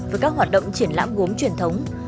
với các hoạt động triển lãm gốm truyền thống